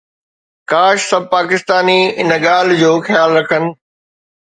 ڪاش سڀ پاڪستاني ان ڳالهه جو خيال رکن